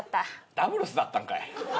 ダブルスだったんかい。